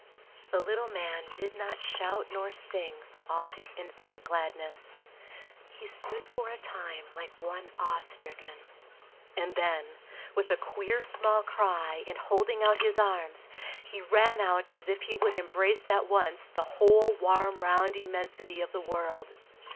The little man did not shout nor sing for all his infinite gladness. He stood for a time like one awe stricken, and then, with a queer small cry and holding out his arms, he ran out as if he would embrace at once the whole warm round immensity of the world.